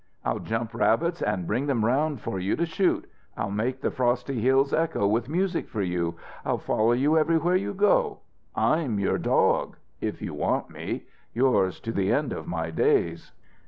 "I'll jump rabbits and bring them around for you to shoot. I'll make the frosty hills echo with music for you. I'll follow you everywhere you go. I'm your dog if you want me yours to the end of my days."